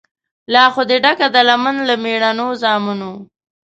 لا خو دي ډکه ده لمن له مېړنو زامنو